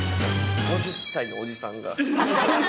５０歳のおじさんが。